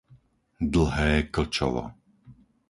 Dlhé Klčovo